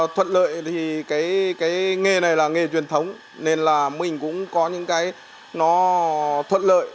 thuận lợi thì cái nghề này là nghề truyền thống nên là mình cũng có những cái nó thuận lợi